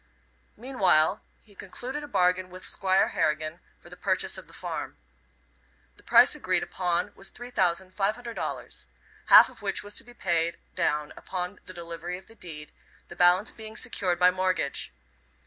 Meanwhile he concluded a bargain with Squire Harrington for the purchase of the farm. The price agreed upon was $3,500, half of which was to be paid down upon the delivery of the deed, the balance being secured by mortgage.